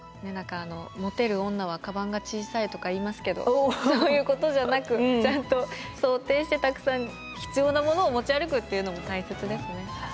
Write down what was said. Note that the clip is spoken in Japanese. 「モテる女はかばんが小さい」とかいいますけどそういうことじゃなくちゃんと想定してたくさん必要なものを持ち歩くっていうのも大切ですね。